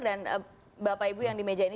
dan bapak ibu yang di meja ini